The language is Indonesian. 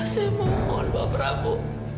saya mohon pak prabu